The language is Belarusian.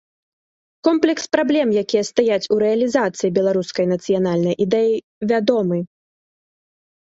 Комплекс праблем, якія стаяць у рэалізацыі беларускай нацыянальнай ідэі, вядомы.